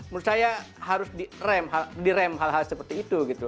menurut saya harus direm hal hal seperti itu gitu